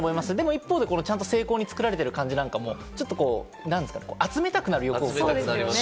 一方で、ちゃんと精巧に作られている感じなんかも集めたくなるような感じですね。